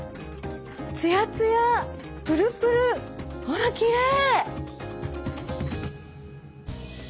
ツヤツヤプルプルほらきれい！